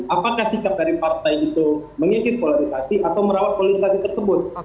apakah sikap dari partai itu mengikis polarisasi atau merawat polarisasi tersebut